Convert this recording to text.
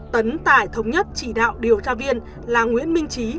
tấn tài thống nhất chỉ đạo điều tra viên là nguyễn minh trí